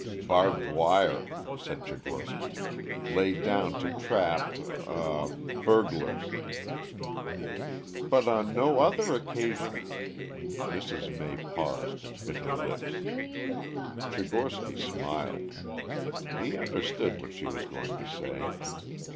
"Barbed wire," said Tchigorsky. "Laid down to trap er burglars." "But on no other occasion " Mrs. May paused and bit her lips. Tchigorsky smiled. He understood what she was going to say.